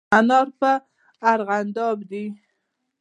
انار په د ارغانداب دي